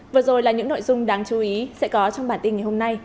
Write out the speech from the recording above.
vừa rồi là những nội dung đáng chú ý sẽ có trong bản tin ngày hôm nay